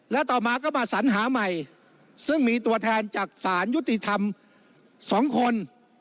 แล้วต่อมาก็มาสัญหาใหม่ซึ่งมีตัวแทนจากศาลยุติธรรม๒คน